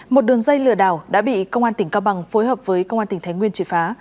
một đường dây lửa đào đã bị công an tỉnh cao bằng phối hợp với công an tỉnh thái nguyên trị phá